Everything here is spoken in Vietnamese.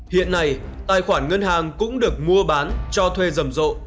hiện nay tài khoản ngân hàng cũng được mua bán cho thuê rầm rộ